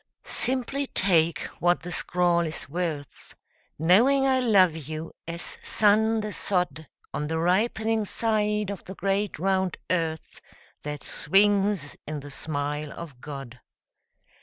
Simply take what the scrawl is worth Knowing I love you as sun the sod On the ripening side of the great round earth That swings in the smile of God.